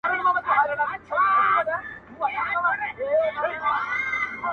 كيسې هېري سوې د زهرو د خوړلو٫